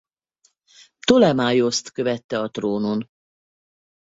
Ptolemaioszt követte a trónon.